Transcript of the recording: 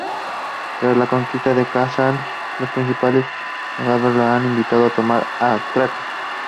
Tras la conquista de Kazán, los príncipes nogayos le habían invitado a tomar Astracán.